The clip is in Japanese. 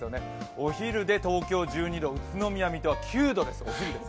お昼で東京１２度、宇都宮、水戸は９度となります。